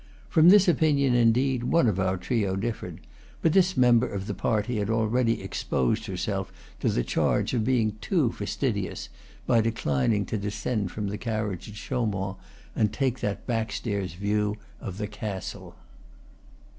From this opinion, indeed, one of our trio differed; but this member of the party had already exposed herself to the charge of being too fastidious, by declining to de scend from the carriage at Chaumont and take that back stairs view of the castle.